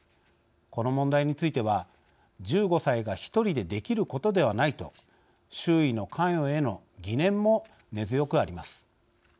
この問題については「１５歳が１人でできることではない」と周囲の関与への疑念も根強くあります。